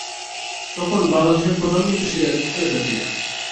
তখন বাংলাদেশের প্রধানমন্ত্রী ছিলেন খালেদা জিয়া।